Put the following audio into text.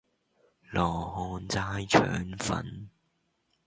羅漢齋腸粉